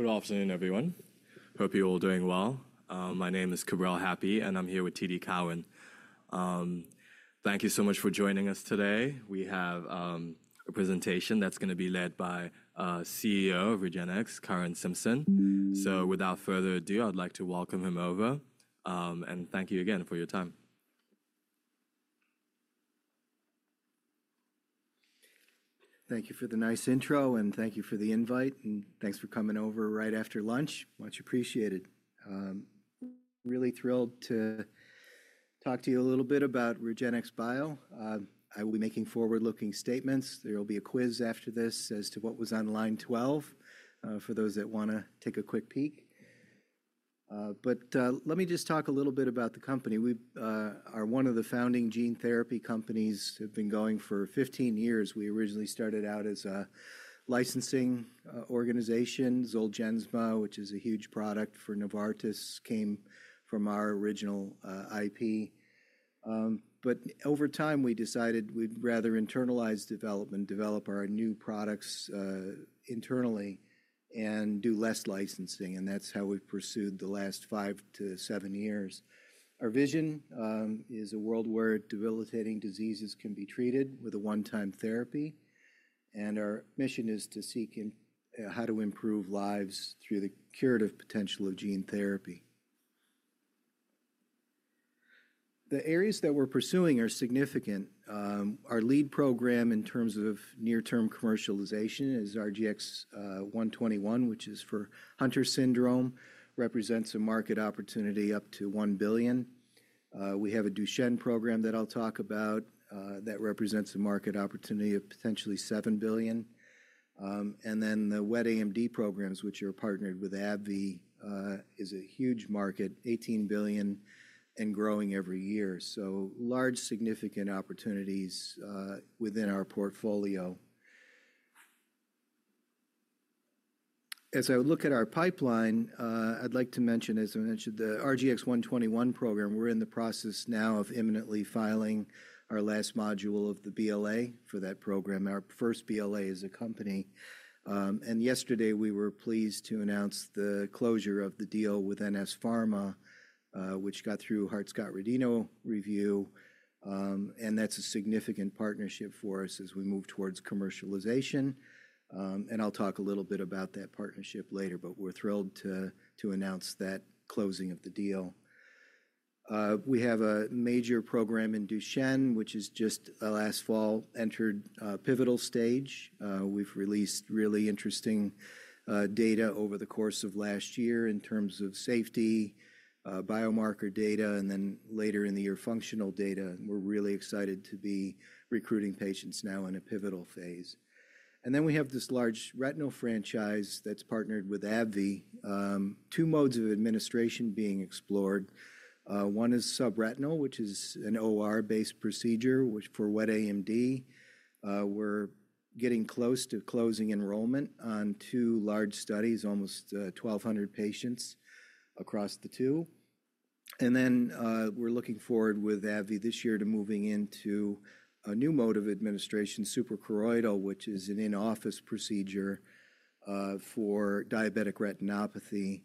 Good afternoon, everyone. Hope you're all doing well. My name is Cabrel Happi, and I'm here with TD Cowen. Thank you so much for joining us today. We have a presentation that's going to be led by CEO of REGENXBIO, Curran Simpson. Without further ado, I'd like to welcome him over. Thank you again for your time. Thank you for the nice intro, and thank you for the invite. Thanks for coming over right after lunch. Much appreciated. Really thrilled to talk to you a little bit about REGENXBIO. I will be making forward-looking statements. There will be a quiz after this as to what was on line 12 for those that want to take a quick peek. Let me just talk a little bit about the company. We are one of the founding gene therapy companies that have been going for 15 years. We originally started out as a licensing organization. Zolgensma, which is a huge product for Novartis, came from our original IP. Over time, we decided we'd rather internalize development, develop our new products internally, and do less licensing. That's how we've pursued the last five to seven years. Our vision is a world where debilitating diseases can be treated with a one-time therapy. Our mission is to seek how to improve lives through the curative potential of gene therapy. The areas that we're pursuing are significant. Our lead program in terms of near-term commercialization is RGX-121, which is for Hunter syndrome, represents a market opportunity up to $1 billion. We have a Duchenne program that I'll talk about that represents a market opportunity of potentially $7 billion. The wet AMD programs, which are partnered with AbbVie, is a huge market, $18 billion, and growing every year. Large, significant opportunities within our portfolio. As I look at our pipeline, I'd like to mention, as I mentioned, the RGX-121 program, we're in the process now of imminently filing our last module of the BLA for that program. Our first BLA as a company. Yesterday, we were pleased to announce the closure of the deal with NS Pharma, which got through Hart-Scott-Rodino review. That is a significant partnership for us as we move towards commercialization. I will talk a little bit about that partnership later, but we are thrilled to announce that closing of the deal. We have a major program in Duchenne, which just last fall entered a pivotal stage. We have released really interesting data over the course of last year in terms of safety, biomarker data, and then later in the year, functional data. We are really excited to be recruiting patients now in a pivotal phase. We have this large retinal franchise that is partnered with AbbVie. Two modes of administration are being explored. One is subretinal, which is an OR-based procedure for wet AMD. We're getting close to closing enrollment on two large studies, almost 1,200 patients across the two. We're looking forward with AbbVie this year to moving into a new mode of administration, supracoroidal, which is an in-office procedure for diabetic retinopathy,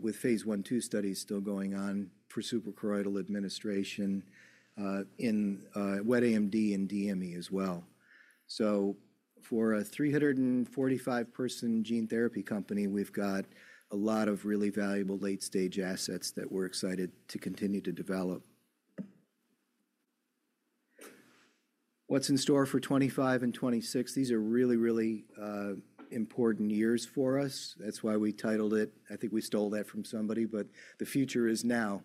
with phase I and II studies still going on for supracoroidal administration in wet AMD and DME as well. For a 345-person gene therapy company, we've got a lot of really valuable late-stage assets that we're excited to continue to develop. What's in store for 2025 and 2026? These are really, really important years for us. That's why we titled it. I think we stole that from somebody, but the future is now.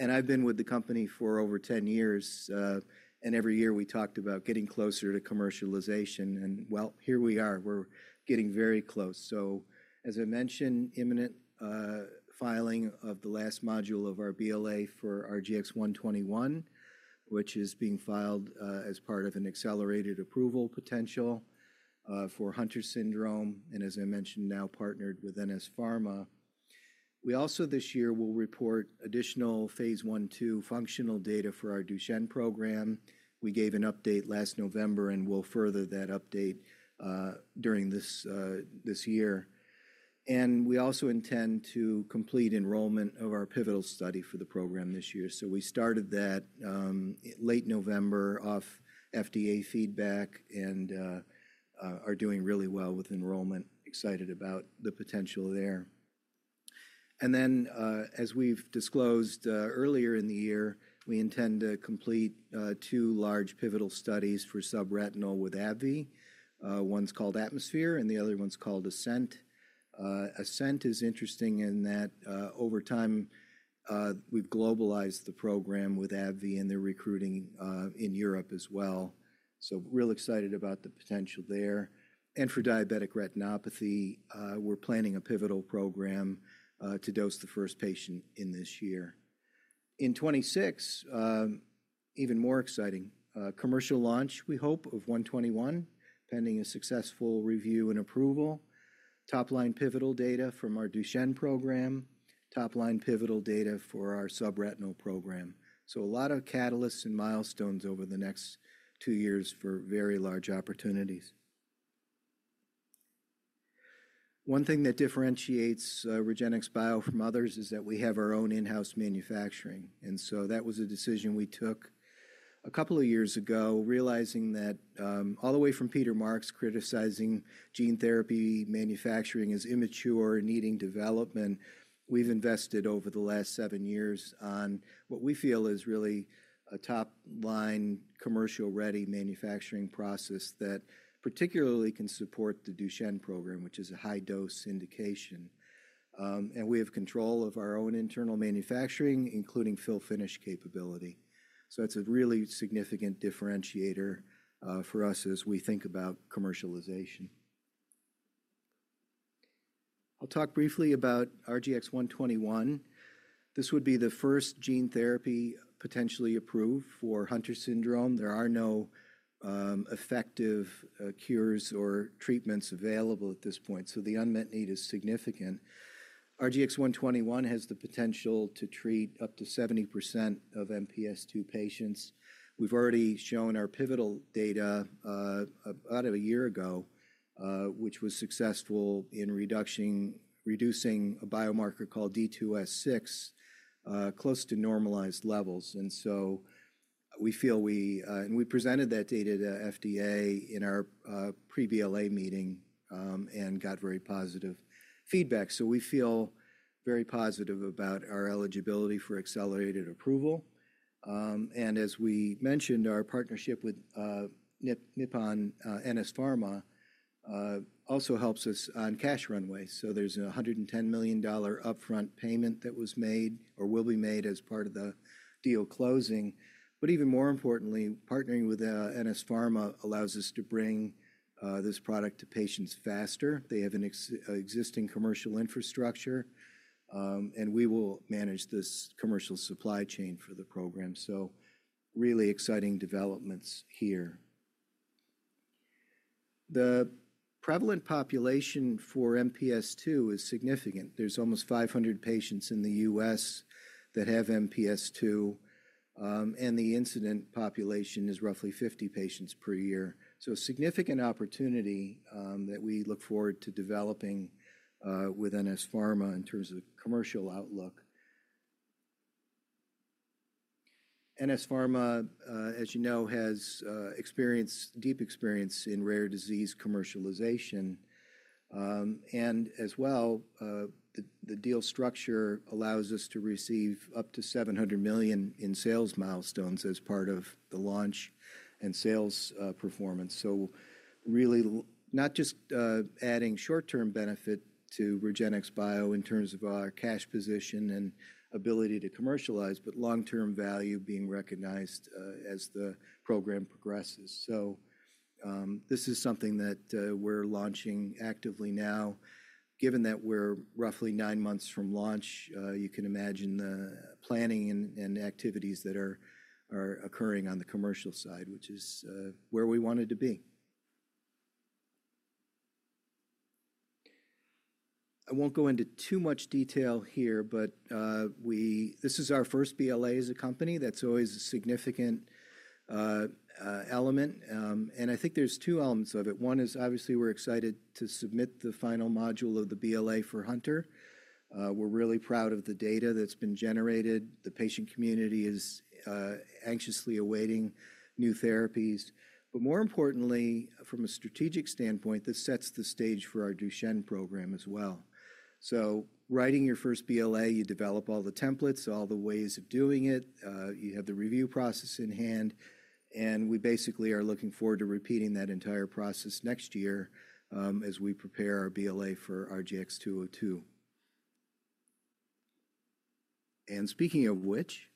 I've been with the company for over 10 years. Every year, we talked about getting closer to commercialization. Here we are. We're getting very close. As I mentioned, imminent filing of the last module of our BLA for RGX-121, which is being filed as part of an accelerated approval potential for Hunter syndrome. As I mentioned, now partnered with NS Pharma. We also this year will report additional phase I and II functional data for our Duchenne program. We gave an update last November and will further that update during this year. We also intend to complete enrollment of our pivotal study for the program this year. We started that late November off FDA feedback and are doing really well with enrollment. Excited about the potential there. As we've disclosed earlier in the year, we intend to complete two large pivotal studies for subretinal with AbbVie. One's called ATMOSPHERE, and the other one's called ASCENT. ASCENT is interesting in that over time, we've globalized the program with AbbVie and their recruiting in Europe as well. Real excited about the potential there. For diabetic retinopathy, we're planning a pivotal program to dose the first patient in this year. In 2026, even more exciting, commercial launch, we hope, of 121, pending a successful review and approval. Top-line pivotal data from our Duchenne program, top-line pivotal data for our subretinal program. A lot of catalysts and milestones over the next two years for very large opportunities. One thing that differentiates REGENXBIO from others is that we have our own in-house manufacturing. That was a decision we took a couple of years ago, realizing that all the way from Peter Marks criticizing gene therapy manufacturing as immature and needing development, we've invested over the last seven years on what we feel is really a top-line commercial-ready manufacturing process that particularly can support the Duchenne program, which is a high-dose indication. We have control of our own internal manufacturing, including fill-finish capability. It is a really significant differentiator for us as we think about commercialization. I'll talk briefly about RGX-121. This would be the first gene therapy potentially approved for Hunter syndrome. There are no effective cures or treatments available at this point. The unmet need is significant. RGX-121 has the potential to treat up to 70% of MPS2 patients. We've already shown our pivotal data about a year ago, which was successful in reducing a biomarker called D2S6 close to normalized levels. We feel we presented that data to FDA in our pre-BLA meeting and got very positive feedback. We feel very positive about our eligibility for accelerated approval. As we mentioned, our partnership with NS Pharma also helps us on cash runway. There's a $110 million upfront payment that was made or will be made as part of the deal closing. Even more importantly, partnering with NS Pharma allows us to bring this product to patients faster. They have an existing commercial infrastructure, and we will manage this commercial supply chain for the program. Really exciting developments here. The prevalent population for MPS2 is significant. There's almost 500 patients in the U.S. that have MPS2. The incident population is roughly 50 patients per year. A significant opportunity that we look forward to developing with NS Pharma in terms of commercial outlook. NS Pharma, as you know, has deep experience in rare disease commercialization. As well, the deal structure allows us to receive up to $700 million in sales milestones as part of the launch and sales performance. Really not just adding short-term benefit to REGENXBIO in terms of our cash position and ability to commercialize, but long-term value being recognized as the program progresses. This is something that we're launching actively now. Given that we're roughly nine months from launch, you can imagine the planning and activities that are occurring on the commercial side, which is where we wanted to be. I won't go into too much detail here, but this is our first BLA as a company. That's always a significant element. I think there's two elements of it. One is obviously we're excited to submit the final module of the BLA for Hunter. We're really proud of the data that's been generated. The patient community is anxiously awaiting new therapies. More importantly, from a strategic standpoint, this sets the stage for our Duchenne program as well. Writing your first BLA, you develop all the templates, all the ways of doing it. You have the review process in hand. We basically are looking forward to repeating that entire process next year as we prepare our BLA for RGX-202. Speaking of which,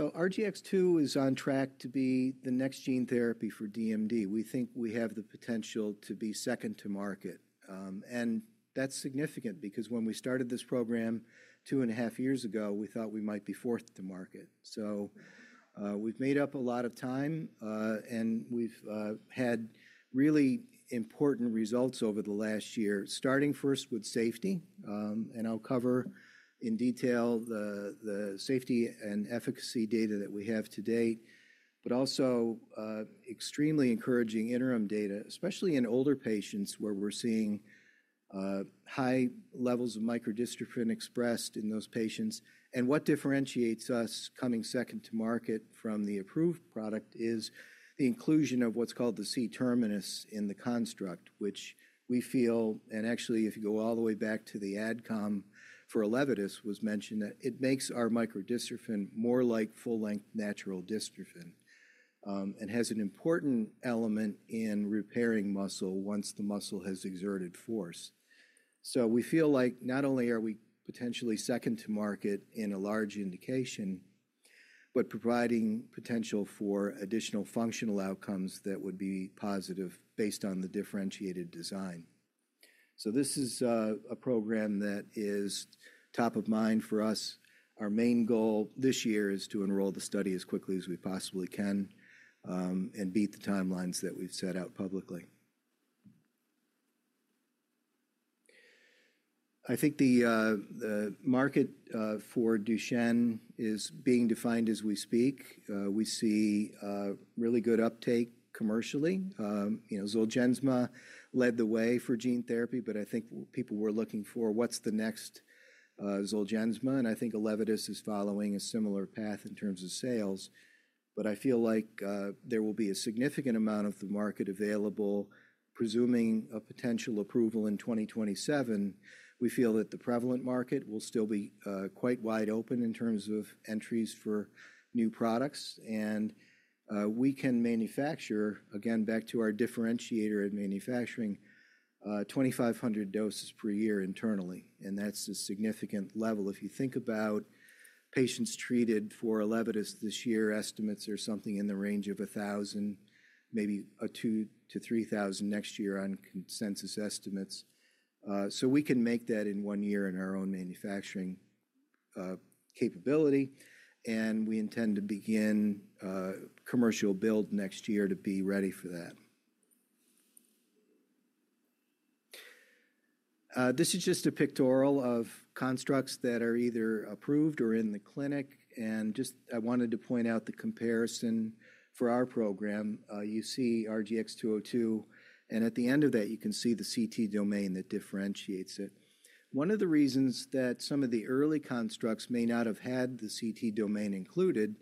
RGX-202 is on track to be the next gene therapy for DMD. We think we have the potential to be second to market. That's significant because when we started this program two and a half years ago, we thought we might be fourth to market. We have made up a lot of time, and we have had really important results over the last year, starting first with safety. I will cover in detail the safety and efficacy data that we have to date, but also extremely encouraging interim data, especially in older patients where we are seeing high levels of microdystrophin expressed in those patients. What differentiates us coming second to market from the approved product is the inclusion of what is called the C-terminus in the construct, which we feel, and actually, if you go all the way back to the adcom for Elevidys, was mentioned, that it makes our microdystrophin more like full-length natural dystrophin and has an important element in repairing muscle once the muscle has exerted force. We feel like not only are we potentially second to market in a large indication, but providing potential for additional functional outcomes that would be positive based on the differentiated design. This is a program that is top of mind for us. Our main goal this year is to enroll the study as quickly as we possibly can and beat the timelines that we've set out publicly. I think the market for Duchenne is being defined as we speak. We see really good uptake commercially. Zolgensma led the way for gene therapy, but I think people were looking for what's the next Zolgensma. I think Elevidys is following a similar path in terms of sales. I feel like there will be a significant amount of the market available, presuming a potential approval in 2027. We feel that the prevalent market will still be quite wide open in terms of entries for new products. We can manufacture, again, back to our differentiator in manufacturing, 2,500 doses per year internally. That is a significant level. If you think about patients treated for Elevidys this year, estimates are something in the range of 1,000, maybe 2,000-3,000 next year on consensus estimates. We can make that in one year in our own manufacturing capability. We intend to begin commercial build next year to be ready for that. This is just a pictorial of constructs that are either approved or in the clinic. I wanted to point out the comparison for our program. You see RGX-202. At the end of that, you can see the C-terminal domain that differentiates it. One of the reasons that some of the early constructs may not have had the CT domain included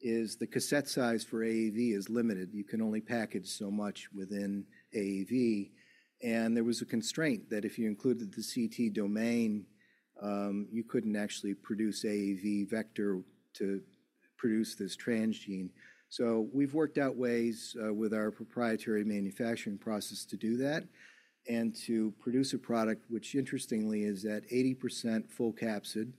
is the cassette size for AAV is limited. You can only package so much within AAV. There was a constraint that if you included the CT domain, you couldn't actually produce AAV vector to produce this transgene. We've worked out ways with our proprietary manufacturing process to do that and to produce a product, which interestingly is at 80% full capsid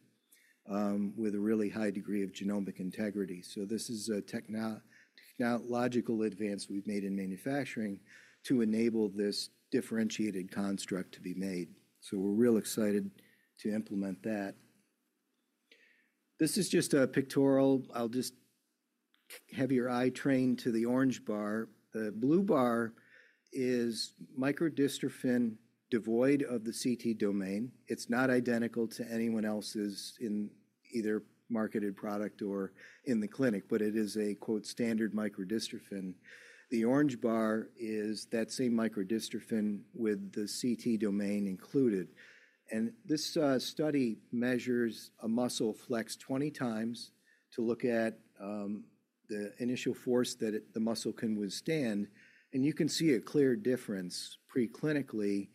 with a really high degree of genomic integrity. This is a technological advance we've made in manufacturing to enable this differentiated construct to be made. We're real excited to implement that. This is just a pictorial. I'll just have your eye train to the orange bar. The blue bar is microdystrophin devoid of the CT domain. It's not identical to anyone else's in either marketed product or in the clinic, but it is a "standard microdystrophin." The orange bar is that same microdystrophin with the C-terminal domain included. This study measures a muscle flex 20 times to look at the initial force that the muscle can withstand. You can see a clear difference preclinically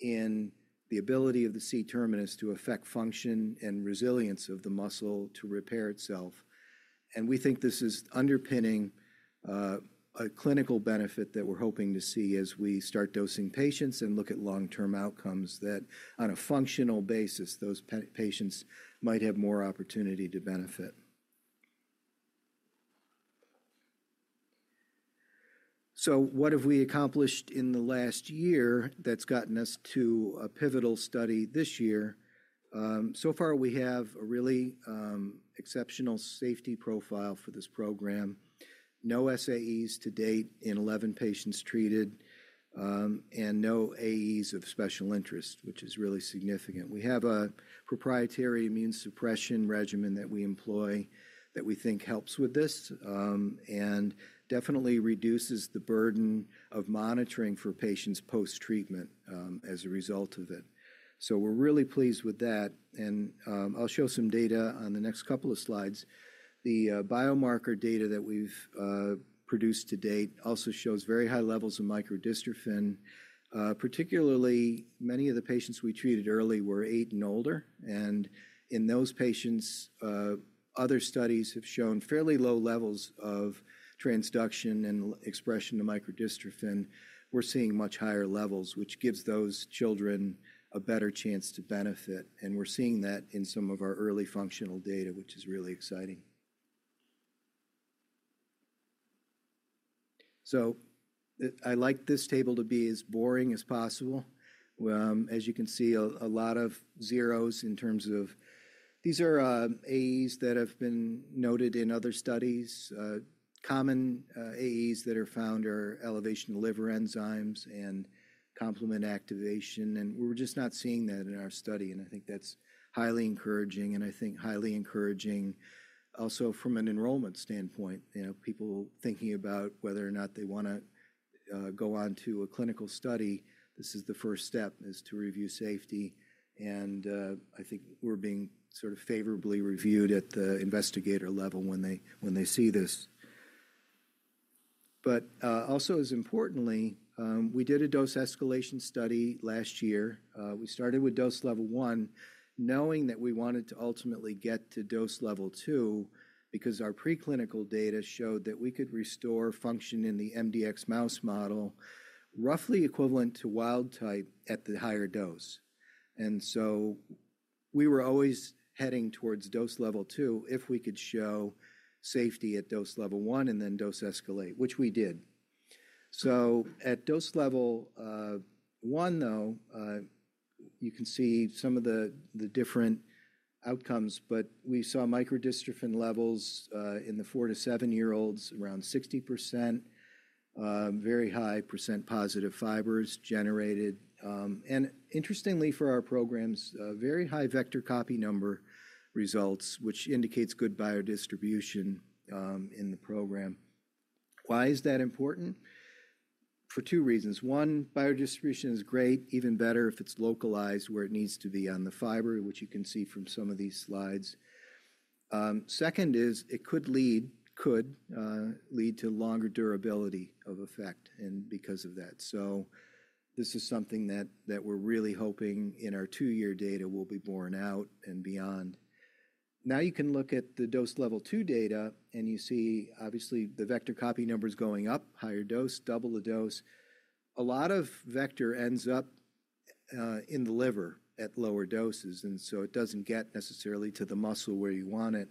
in the ability of the C-terminus to affect function and resilience of the muscle to repair itself. We think this is underpinning a clinical benefit that we're hoping to see as we start dosing patients and look at long-term outcomes that on a functional basis, those patients might have more opportunity to benefit. What have we accomplished in the last year that's gotten us to a pivotal study this year? So far, we have a really exceptional safety profile for this program. No SAEs to date in 11 patients treated and no AEs of special interest, which is really significant. We have a proprietary immune suppression regimen that we employ that we think helps with this and definitely reduces the burden of monitoring for patients post-treatment as a result of it. We are really pleased with that. I will show some data on the next couple of slides. The biomarker data that we have produced to date also shows very high levels of microdystrophin. Particularly, many of the patients we treated early were eight and older. In those patients, other studies have shown fairly low levels of transduction and expression of microdystrophin. We are seeing much higher levels, which gives those children a better chance to benefit. We are seeing that in some of our early functional data, which is really exciting. I like this table to be as boring as possible. As you can see, a lot of zeros in terms of these are AEs that have been noted in other studies. Common AEs that are found are elevation of liver enzymes and complement activation. We're just not seeing that in our study. I think that's highly encouraging. I think highly encouraging also from an enrollment standpoint. People thinking about whether or not they want to go on to a clinical study, this is the first step is to review safety. I think we're being sort of favorably reviewed at the investigator level when they see this. Also, as importantly, we did a dose escalation study last year. We started with dose level one, knowing that we wanted to ultimately get to dose level two because our preclinical data showed that we could restore function in the MDX mouse model, roughly equivalent to wild type at the higher dose. We were always heading towards dose level two if we could show safety at dose level one and then dose escalate, which we did. At dose level one, you can see some of the different outcomes, but we saw microdystrophin levels in the four to seven-year-olds, around 60%, very high % positive fibers generated. Interestingly for our programs, very high vector copy number results, which indicates good biodistribution in the program. Why is that important? For two reasons. One, biodistribution is great, even better if it's localized where it needs to be on the fiber, which you can see from some of these slides. Second, it could lead to longer durability of effect, and because of that, this is something that we're really hoping in our two-year data will be borne out and beyond. Now, you can look at the dose level two data, and you see obviously the vector copy number is going up, higher dose, double the dose. A lot of vector ends up in the liver at lower doses, and so it doesn't get necessarily to the muscle where you want it.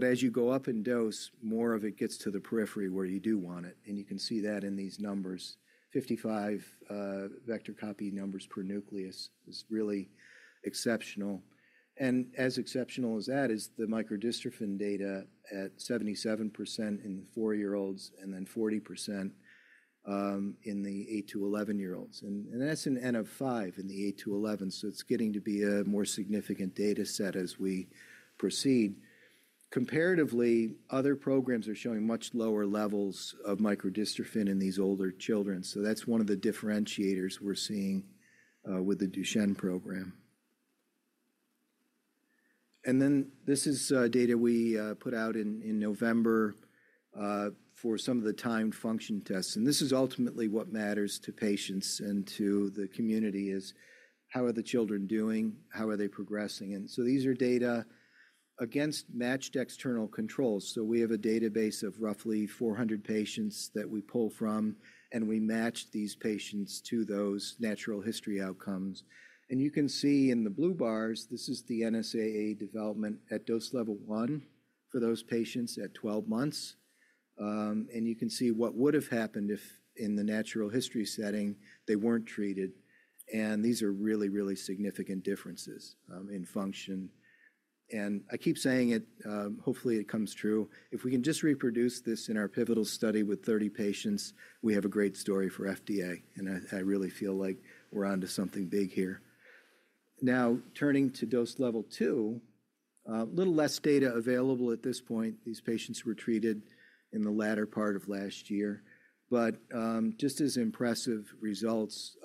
As you go up in dose, more of it gets to the periphery where you do want it. You can see that in these numbers: 55 vector copy numbers per nucleus is really exceptional. As exceptional as that is, the microdystrophin data at 77% in the four-year-olds and then 40% in the 8-11-year-olds. That's an N of five in the eight to eleven. It is getting to be a more significant data set as we proceed. Comparatively, other programs are showing much lower levels of microdystrophin in these older children. That is one of the differentiators we are seeing with the Duchenne program. This is data we put out in November for some of the timed function tests. This is ultimately what matters to patients and to the community: how are the children doing? How are they progressing? These are data against matched external controls. We have a database of roughly 400 patients that we pull from, and we match these patients to those natural history outcomes. You can see in the blue bars, this is the NSAA development at dose level one for those patients at 12 months. You can see what would have happened if in the natural history setting they were not treated. These are really, really significant differences in function. I keep saying it, hopefully it comes true. If we can just reproduce this in our pivotal study with 30 patients, we have a great story for FDA. I really feel like we are on to something big here. Now, turning to dose level two, a little less data available at this point. These patients were treated in the latter part of last year. Just as impressive results,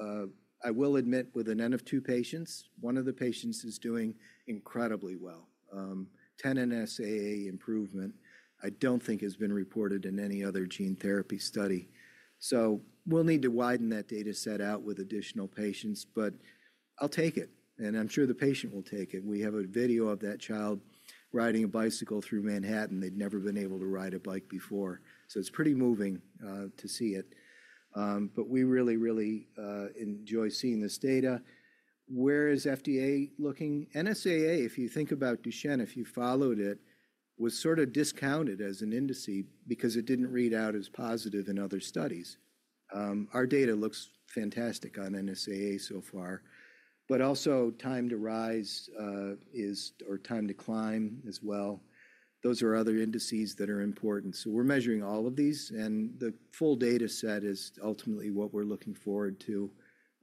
I will admit with an N of two patients, one of the patients is doing incredibly well. 10 NSAA improvement, I do not think has been reported in any other gene therapy study. We will need to widen that data set out with additional patients, but I will take it. I'm sure the patient will take it. We have a video of that child riding a bicycle through Manhattan. They'd never been able to ride a bike before. It's pretty moving to see it. We really, really enjoy seeing this data. Where is FDA looking? NSAA, if you think about Duchenne, if you followed it, was sort of discounted as an indice because it didn't read out as positive in other studies. Our data looks fantastic on NSAA so far, but also time to rise or time to climb as well. Those are other indices that are important. We're measuring all of these. The full data set is ultimately what we're looking forward to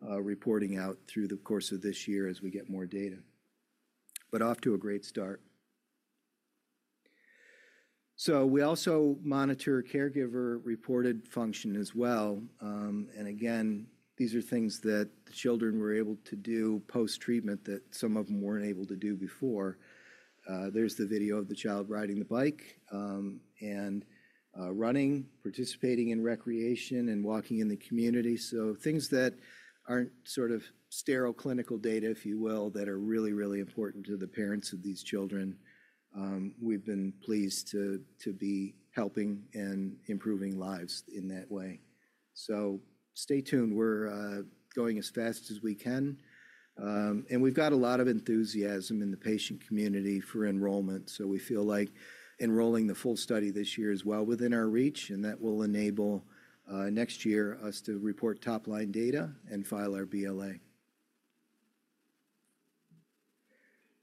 reporting out through the course of this year as we get more data. Off to a great start. We also monitor caregiver-reported function as well. These are things that the children were able to do post-treatment that some of them were not able to do before. There is the video of the child riding the bike and running, participating in recreation, and walking in the community. Things that are not sort of sterile clinical data, if you will, that are really, really important to the parents of these children. We have been pleased to be helping and improving lives in that way. Stay tuned. We are going as fast as we can. We have a lot of enthusiasm in the patient community for enrollment. We feel like enrolling the full study this year is well within our reach and that will enable us next year to report top-line data and file our BLA.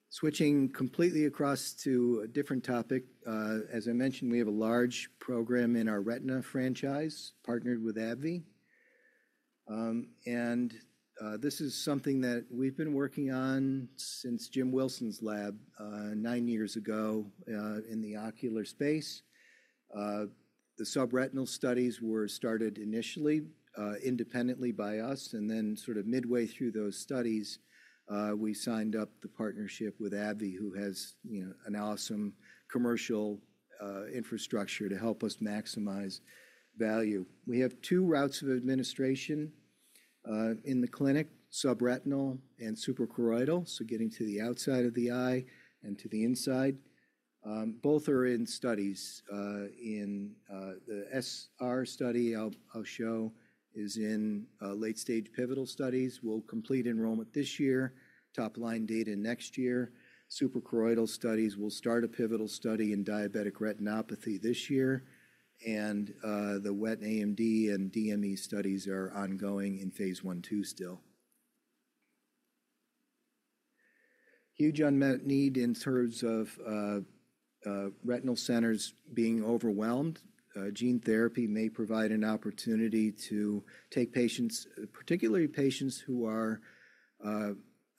Switching completely across to a different topic. As I mentioned, we have a large program in our Retina franchise partnered with AbbVie. This is something that we've been working on since Jim Wilson's lab nine years ago in the ocular space. The subretinal studies were started initially independently by us. Sort of midway through those studies, we signed up the partnership with AbbVie, who has an awesome commercial infrastructure to help us maximize value. We have two routes of administration in the clinic, subretinal and supracoroidal, so getting to the outside of the eye and to the inside. Both are in studies. In the SR study I'll show is in late-stage pivotal studies. We'll complete enrollment this year, top-line data next year. Supracoroidal studies, we'll start a pivotal study in diabetic retinopathy this year. The wet AMD and DME studies are ongoing in phase one two still. Huge unmet need in terms of retinal centers being overwhelmed. Gene therapy may provide an opportunity to take patients, particularly patients who are,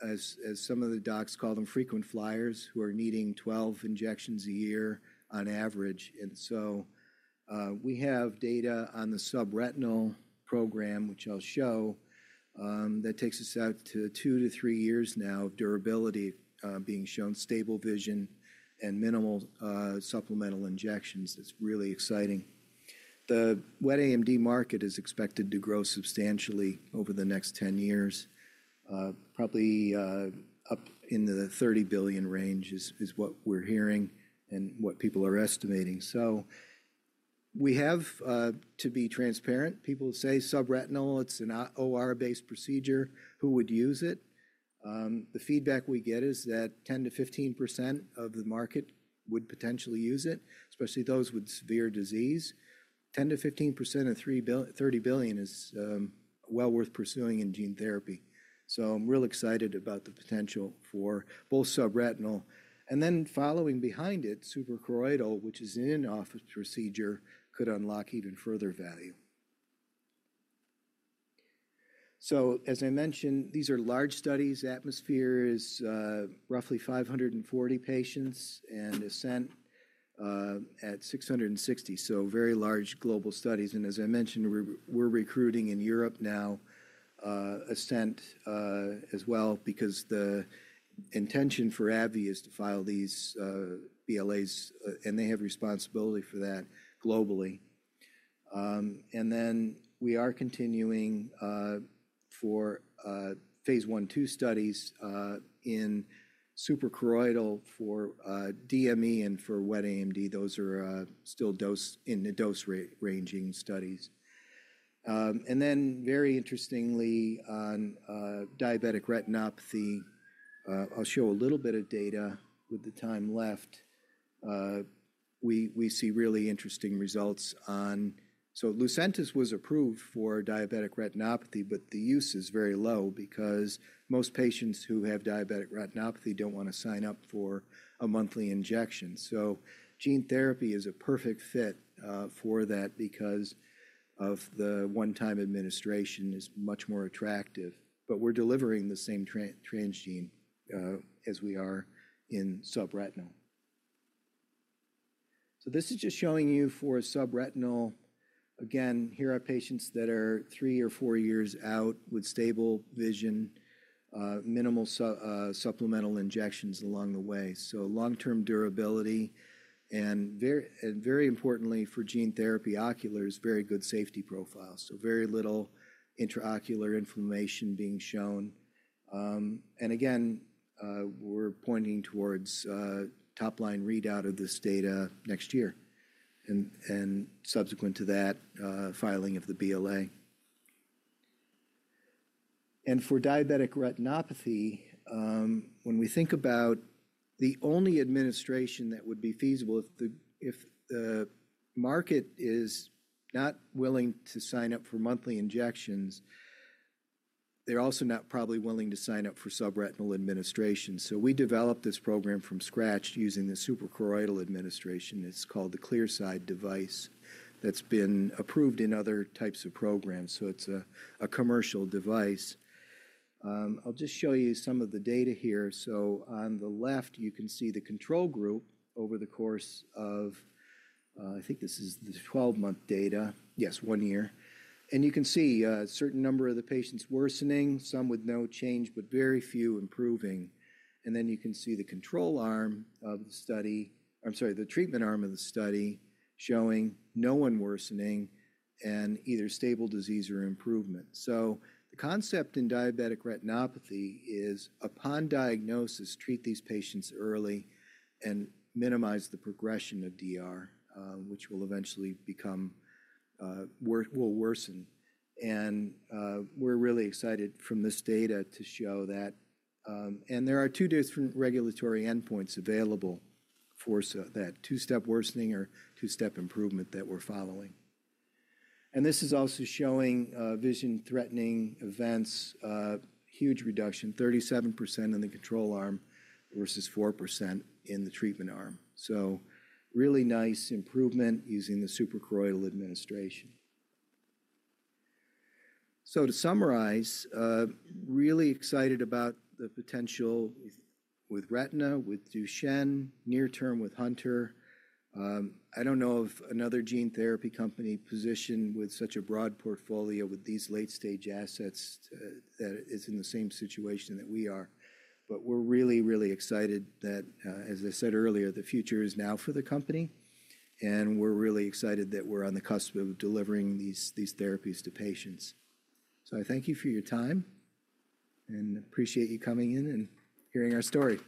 as some of the docs call them, frequent flyers, who are needing 12 injections a year on average. We have data on the subretinal program, which I'll show, that takes us out to two to three years now of durability being shown, stable vision and minimal supplemental injections. It's really exciting. The wet AMD market is expected to grow substantially over the next 10 years. Probably up in the $30 billion range is what we're hearing and what people are estimating. We have, to be transparent, people say subretinal, it's an OR-based procedure. Who would use it? The feedback we get is that 10%-15% of the market would potentially use it, especially those with severe disease. 10%-15% of $30 billion is well worth pursuing in gene therapy. I'm real excited about the potential for both subretinal. Following behind it, supracoroidal, which is an in-office procedure, could unlock even further value. As I mentioned, these are large studies, ATMOSPHERE is roughly 540 patients and ASCENT at 660. Very large global studies. As I mentioned, we're recruiting in Europe now, ASCENT as well, because the intention for AbbVie is to file these BLAs, and they have responsibility for that globally. We are continuing for phase I/II studies in supracoroidal for DME and for wet AMD. Those are still in the dose ranging studies. Very interestingly, on diabetic retinopathy, I'll show a little bit of data with the time left. We see really interesting results on. Lucentis was approved for diabetic retinopathy, but the use is very low because most patients who have diabetic retinopathy do not want to sign up for a monthly injection. Gene therapy is a perfect fit for that because the one-time administration is much more attractive. We are delivering the same transgene as we are in subretinal. This is just showing you for subretinal. Here are patients that are three or four years out with stable vision, minimal supplemental injections along the way. Long-term durability and, very importantly for gene therapy, ocular is very good safety profile. Very little intraocular inflammation is being shown. We are pointing towards top-line readout of this data next year. Subsequent to that, filing of the BLA. For diabetic retinopathy, when we think about the only administration that would be feasible if the market is not willing to sign up for monthly injections, they're also not probably willing to sign up for subretinal administration. We developed this program from scratch using the supracoroidal administration. It's called the Clearside device that's been approved in other types of programs. It's a commercial device. I'll just show you some of the data here. On the left, you can see the control group over the course of, I think this is the 12-month data. Yes, one year. You can see a certain number of the patients worsening, some with no change, but very few improving. You can see the control arm of the study, I'm sorry, the treatment arm of the study showing no one worsening and either stable disease or improvement. The concept in diabetic retinopathy is upon diagnosis, treat these patients early and minimize the progression of DR, which will eventually become, will worsen. We are really excited from this data to show that. There are two different regulatory endpoints available for that two-step worsening or two-step improvement that we are following. This is also showing vision threatening events, huge reduction, 37% in the control arm versus 4% in the treatment arm. Really nice improvement using the supracoroidal administration. To summarize, really excited about the potential with Retina, with Duchenne, near-term with Hunter. I do not know of another gene therapy company positioned with such a broad portfolio with these late-stage assets that is in the same situation that we are. We are really, really excited that, as I said earlier, the future is now for the company. We are really excited that we are on the cusp of delivering these therapies to patients. I thank you for your time and appreciate you coming in and hearing our story.